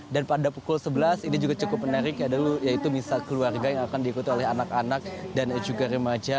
dan pada pukul sebelas ini juga cukup menarik yaitu misa keluarga yang akan diikuti oleh anak anak dan juga remaja